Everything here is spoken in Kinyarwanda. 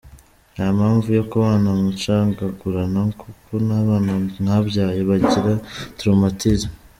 Nta mpamvu yo kubana mucagagurana kuko nabana mwabyaye bagira traumatisme.